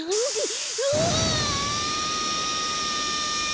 うわ！